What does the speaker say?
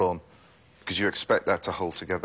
はい。